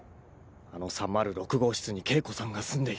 あの３０６号室に景子さんが住んでいる